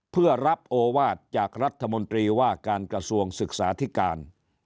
เพื่อรับโอวาสจากรัฐมนตรีว่าการกระทรวงศึกษาธิการ